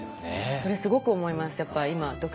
それすごく思います。